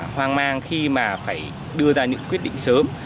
hoang mang khi mà phải đưa ra những quyết định sớm